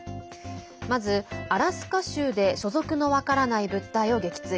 まず、アラスカ州で所属の分からない物体を撃墜。